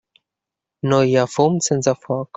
No hi ha fum sense foc.